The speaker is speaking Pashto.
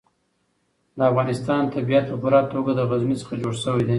د افغانستان طبیعت په پوره توګه له غزني څخه جوړ شوی دی.